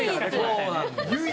唯一？